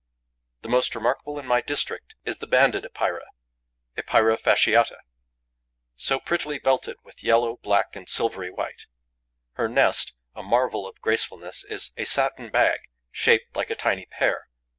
The most remarkable in my district is the Banded Epeira (Epeira fasciata, WALCK.), so prettily belted with yellow, black and silvery white. Her nest, a marvel of gracefulness, is a satin bag, shaped like a tiny pear.